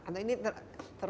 atau ini terpisah